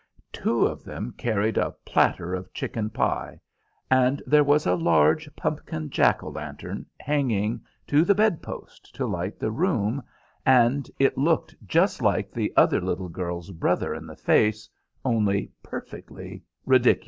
Two of them carried a platter of chicken pie, and there was a large pumpkin jack o' lantern hanging to the bedpost to light the room, and it looked just like the other little girl's brother in the face, only perfectly ridiculous.